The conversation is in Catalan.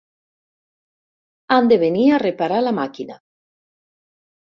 Han de venir a reparar la màquina.